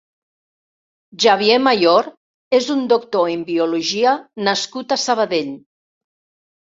Xavier Mayor és un doctor en biologia nascut a Sabadell.